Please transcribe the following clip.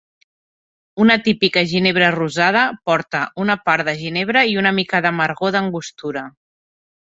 Una típica ginebra rosada porta una part de ginebra i una mica d'amargor d'angostura.